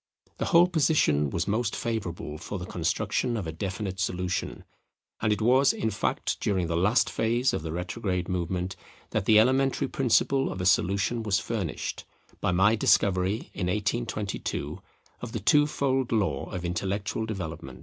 The whole position was most favourable for the construction of a definite solution; and it was, in fact, during the last phase of the retrograde movement that the elementary principle of a solution was furnished, by my discovery, in 1822, of the two fold law of intellectual development.